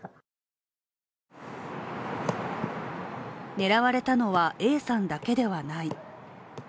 狙われたのはＡさんだけではない。